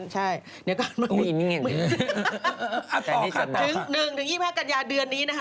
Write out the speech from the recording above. เหมือนแน่๒วันเนี่ยนะฮะ